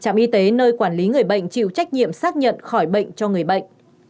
trạm y tế nơi quản lý người bệnh chịu trách nhiệm xác nhận khỏi bệnh cho người bệnh